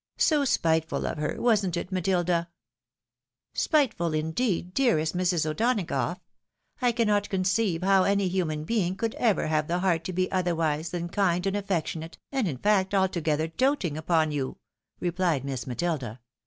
So spiteful of her ! wasn't it, Matilda ?"" Spiteful indeed ! dearest Mrs O'Donagough ! I cannot conceive how any human being could ever have the heart to be otherwise than kind and affectionate, and, in fact, altogether doting upon you ["replied Miss Matilda.